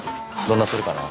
どんなするかな。